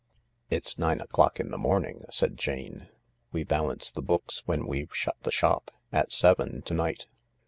"It's nine o'clock in the morning/' said Jane. "We balance the books when we've shut the shop. At seven to night."